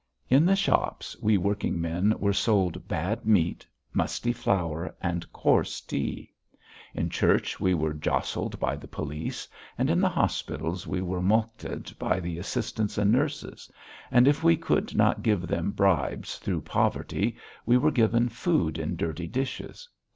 In the shops we working men were sold bad meat, musty flour, and coarse tea. In church we were jostled by the police, and in the hospitals we were mulcted by the assistants and nurses, and if we could not give them bribes through poverty, we were given food in dirty dishes.